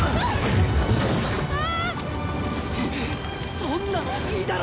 そんなのいいだろ！